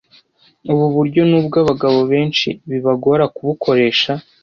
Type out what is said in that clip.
Ubu buryo nubwo abagabo benshi bibagora kubukoresha